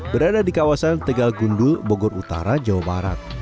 berada di kawasan tegal gundul bogor utara jawa barat